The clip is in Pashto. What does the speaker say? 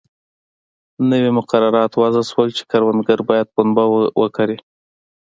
نوي مقررات وضع شول چې کروندګر باید پنبه وکري.